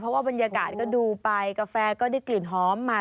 เพราะว่าบรรยากาศก็ดูไปกาแฟก็ได้กลิ่นหอมมา